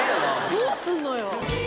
どうするのよ。